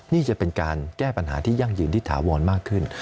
นี่จะเป็นการแก้ปัญหาที่ยั่งยืนที่ถาวรมากขึ้น